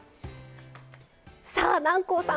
さあ南光さん